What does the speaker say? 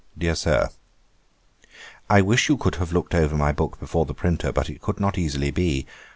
'DEAR SIR, 'I wish you could have looked over my book before the printer, but it could not easily be.